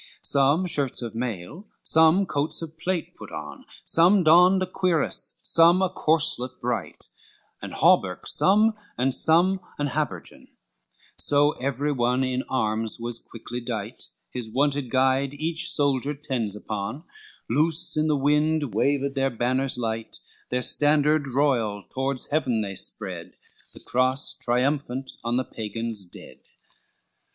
LXXII Some shirts of mail, some coats of plate put on, Some donned a cuirass, some a corslet bright, And halbert some, and some a habergeon, So every one in arms was quickly dight, His wonted guide each soldier tends upon, Loose in the wind waved their banners light, Their standard royal toward Heaven they spread, The cross triumphant on the Pagans dead.